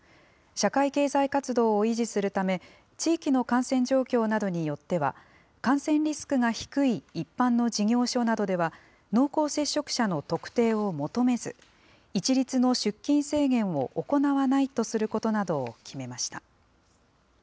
社会経済活動を維持するため、地域の感染状況などによっては、感染リスクが低い一般の事業所などでは、濃厚接触者の特定を求めず、一律の出勤制限を行わないとすることなどを決めました。